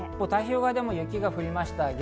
太平洋側でも雪が降りました。